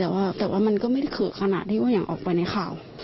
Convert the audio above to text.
แต่ว่ามันก็ไม่เกลือขนาดที่ว่าอยากออกไปในข่าว